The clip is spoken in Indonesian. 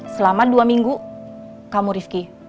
selama dua minggu kamu rifki